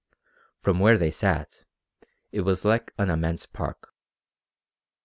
From where they sat, it was like an immense park.